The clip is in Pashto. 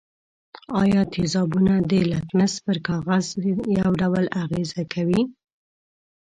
آیا تیزابونه د لتمس پر کاغذ یو ډول اغیزه کوي؟